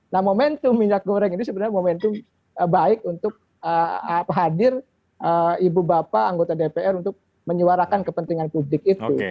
nah momentum minyak goreng ini sebenarnya momentum baik untuk hadir ibu bapak anggota dpr untuk menyuarakan kepentingan publik itu